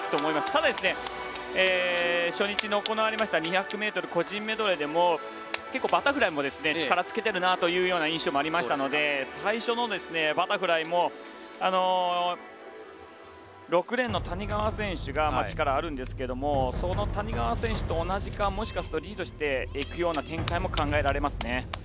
ただ、初日に行われました２００ｍ個人メドレーでもバタフライも力をつけている印象もありましたので最初のバタフライも６レーンの谷川選手が力があるんですがその谷川選手と同じかもしかしたらリードしていく展開も考えられますね。